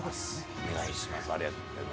お願いします。